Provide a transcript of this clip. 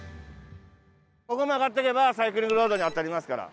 ここを曲がっていけばサイクリングロードに当たりますから。